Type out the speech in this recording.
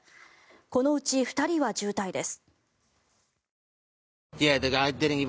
このうち２人は重体です。